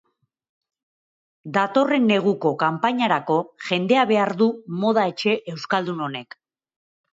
Datorren neguko kanpainarako jendea behar du moda etxe euskaldun honek.